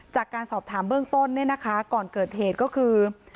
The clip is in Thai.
จากการสอบถามเบื้องต้นเนี่ยนะคะก่อนเกิดเหตุก็คือ